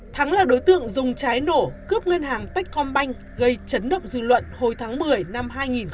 thắng là đối tượng dùng trái nổ cướp ngân hàng techcom bank gây chấn động dư luận hồi tháng một mươi năm hai nghìn hai mươi